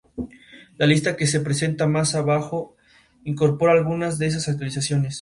La lista que se presenta más abajo incorpora algunas de esas actualizaciones.